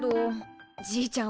じいちゃん